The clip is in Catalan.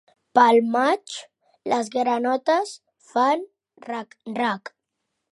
Pel maig les granotes fan rac-rac.